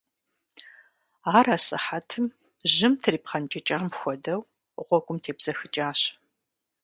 Ар асыхьэтым, жьым трипхъэнкӀыкӀам хуэдэу, гъуэгум тебзэхыкӀащ.